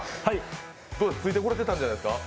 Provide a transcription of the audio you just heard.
ついてこれてたんじゃないですか？